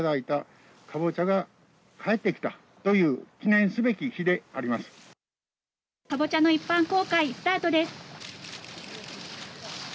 南瓜の一般公開、スタートです。